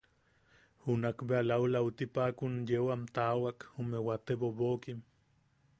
Junak bea laulauti paʼakun yeu am tawaak jume wate bobokim.